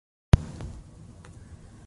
د عرفات غونډۍ تاریخي سیمه ده.